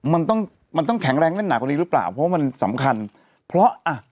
มันต้องมันต้องแข็งแรงแน่นหนากว่านี้หรือเปล่าเพราะว่ามันสำคัญเพราะอ่ะ